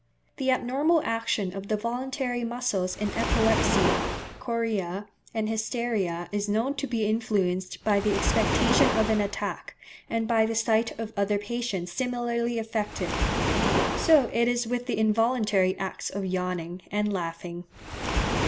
The abnormal action of the voluntary muscles in epilepsy, chorea, and hysteria is known to be influenced by the expectation of an attack, and by the sight of other patients similarly affected. So it is with the involuntary acts of yawning and laughing.